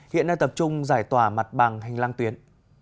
hiện nay tập trung giải tỏa mặt bằng hành lang tuyến